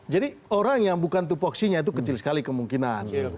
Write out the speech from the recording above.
jadi orang yang bukan tupu tupu nya itu kecil sekali kemungkinan